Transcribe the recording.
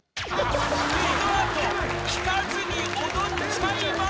［この後弾かずに踊っちゃいます！］